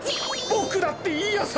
ボクだっていやさ！